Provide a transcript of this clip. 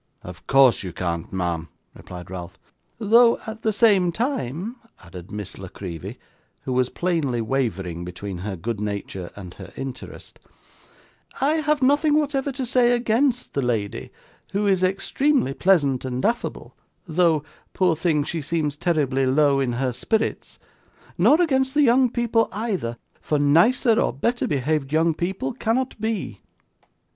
'Of course you can't, ma'am,' replied Ralph. 'Though at the same time,' added Miss La Creevy, who was plainly wavering between her good nature and her interest, 'I have nothing whatever to say against the lady, who is extremely pleasant and affable, though, poor thing, she seems terribly low in her spirits; nor against the young people either, for nicer, or better behaved young people cannot be.